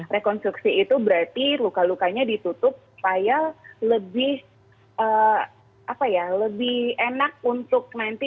rekonstruksi itu berarti luka lukanya ditutup supaya lebih enak untuk nanti